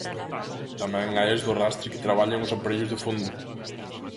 Tamén hai as do arrastre que traballan os aparellos de fondo.